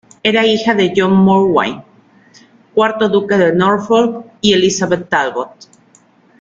Era hija de John de Mowbray, cuarto duque de Norfolk, y Elizabeth Talbot.